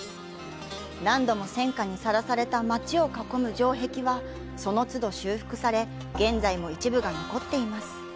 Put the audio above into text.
何度も戦火にさらされた街を囲む城壁はその都度修復され現在も一部が残っています。